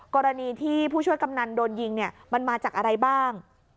กรณีที่ผู้ช่วยกำนันโดนยิงเนี่ยมันมาจากอะไรบ้าง